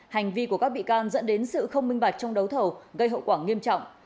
hành vi của các bị can dẫn đến sự không minh bạch trong đấu thầu gây hậu quả nghiêm trọng